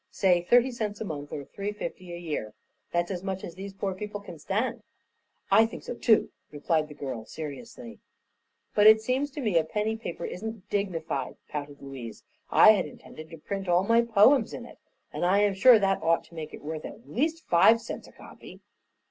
"Say thirty cents a month, or three fifty a year. That's as much as these poor people can stand." "I think so too," replied the girl, seriously. "But it seems to me a penny paper isn't dignified," pouted Louise. "I had intended to print all my poems in it, and I'm sure that ought to make it worth at least five cents a copy."